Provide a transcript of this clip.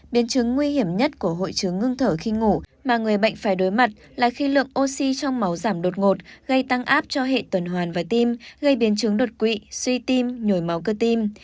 biến chứng nguy hiểm nhất của hội chứng ngưng thở khi ngủ mà người bệnh phải đối mặt là khi lượng oxy trong máu giảm đột ngột gây tăng áp cho hệ tuần hoàn và tim gây biến chứng đột quỵ suy tim nhồi máu cơ tim